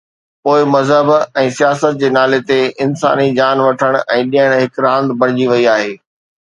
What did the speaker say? پوءِ مذهب ۽ سياست جي نالي تي انساني جان وٺڻ ۽ ڏيڻ هڪ راند بڻجي وئي آهي.